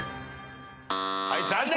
はい残念！